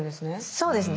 そうですね。